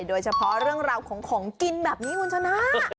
โดยเฉพาะเรื่องราวของของกินแบบนี้คุณชนะ